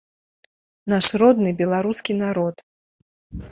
Наш родны беларускі народ!